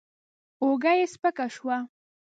اوږه يې سپکه شوه.